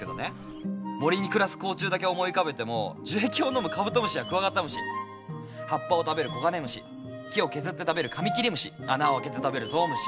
森に暮らす甲虫だけ思い浮かべても樹液を飲むカブトムシやクワガタムシ葉っぱを食べるコガネムシ木を削って食べるカミキリムシ穴を開けて食べるゾウムシ。